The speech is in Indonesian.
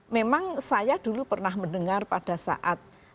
memang saya dulu pernah mendengar pada saat